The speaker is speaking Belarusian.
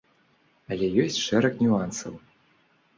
Але ёсць шэраг нюансаў.